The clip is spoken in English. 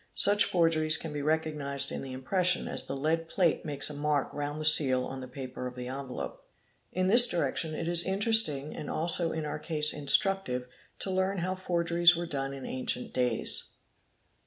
Such forgeries can be recognised in the impression, as the lead plate makes a mark round the seal on the paper of the envelope. In this direction it is interesting, and also in our case instructive, to learn how forgeries were done in ancient days